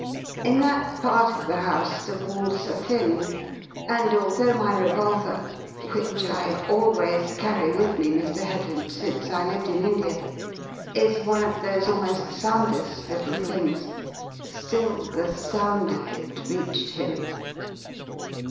In that part of the house the walls are thin, and although my revolver (which I always carry with me, Mr. Headland, since I lived in India) is one of those almost soundless little things, still, the sound of it reached him."